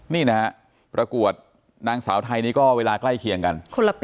นี่นะฮะประกวดนางสาวไทยนี่ก็เวลาใกล้เคียงกัน